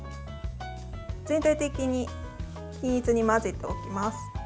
全体的に均一に混ぜておきます。